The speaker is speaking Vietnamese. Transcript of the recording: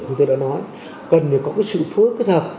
như tôi đã nói cần phải có sự phối kết hợp